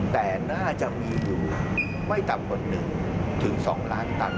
แต่น่าจะมีอยู่ไม่ต่ำกว่า๑๒ล้านตัน